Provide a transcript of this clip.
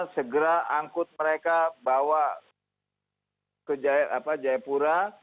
segera angkut mereka bawa ke jayapura